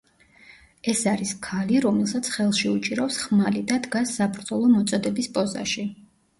ეს არის ქალი, რომელსაც ხელში უჭირავს ხმალი და დგას საბრძოლო მოწოდების პოზაში.